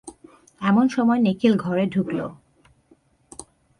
এমন সময় নিখিল ঘরে ঢুকল।